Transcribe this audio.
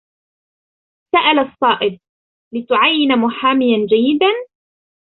سأل الصائب: " لتُعيّن محاميًا جيّدًا ؟"